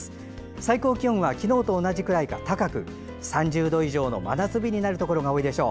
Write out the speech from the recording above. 最高気温は昨日と同じぐらいか高く３０度以上の真夏日になるところが多いでしょう。